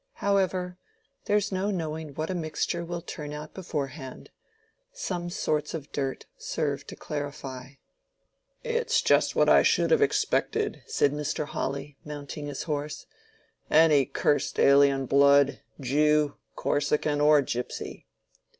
However, there's no knowing what a mixture will turn out beforehand. Some sorts of dirt serve to clarify." "It's just what I should have expected," said Mr. Hawley, mounting his horse. "Any cursed alien blood, Jew, Corsican, or Gypsy."